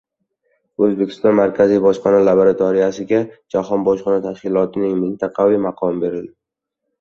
O‘zbekiston Markaziy bojxona laboratoriyasiga Jahon bojxona tashkilotining mintaqaviy maqomi berildi